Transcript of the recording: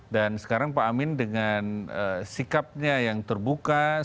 dan sekarang pak amin dengan sikapnya yang terbuka sarkastik sekali